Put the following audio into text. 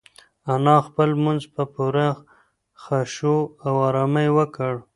انا خپل لمونځ په پوره خشوع او ارامۍ وکړ.